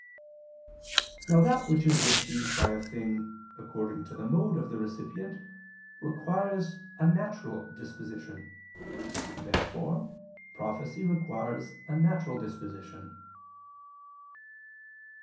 Now that which is received by a thing according to the mode of the recipient requires a natural disposition. Therefore prophecy requires a natural disposition.